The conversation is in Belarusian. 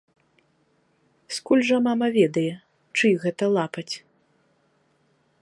Скуль жа мама ведае, чый гэта лапаць.